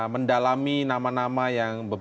mendalami nama nama yang